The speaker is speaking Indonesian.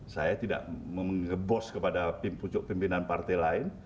saya tidak memimpin kepada pimpinan pimpinan partai lain